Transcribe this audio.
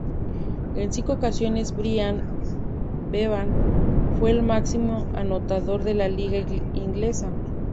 En cinco ocasiones Brian Bevan fue el máximo anotador de la liga inglesa.